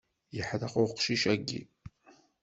Yeḥdeq uqcic agi.